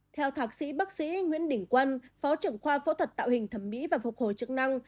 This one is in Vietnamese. theo thạc sĩ bác sĩ nguyễn đình quân phó trưởng khoa phẫu thuật tạo hình thẩm mỹ và phục hồi chức năng